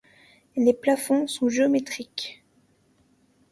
Les plafonds sont géométriques.